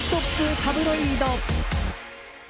タブロイド。